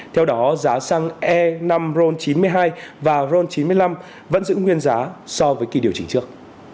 theo đó giá xăng e năm ron chín mươi hai và ron chín mươi năm vẫn giữ nguyên giá so với kỳ điều chỉnh trước